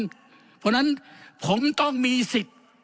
เพราะฉะนั้นผมต้องมีสิทธิ์